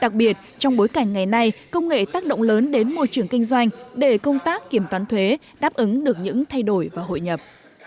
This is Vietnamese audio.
đặc biệt trong bối cảnh ngày nay công nghệ tác động lớn đến môi trường kinh doanh để công tác kiểm toán thuế đáp ứng được những thay đổi và hội nhập